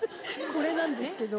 これなんですけど。